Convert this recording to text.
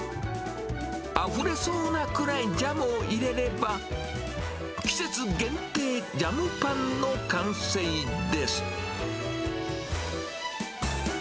あふれそうなくらいジャムを入れれば、季節限定ジャムパンの完成です。